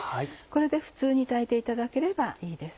これで普通に炊いていただければいいです。